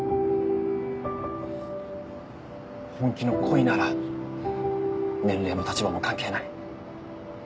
本気の恋なら年齢も立場も関係ない。